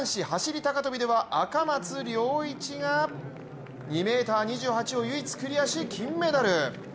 高跳びでは赤松諒一が２ｍ２８を唯一クリアし、金メダル。